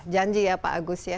janji ya pak agus ya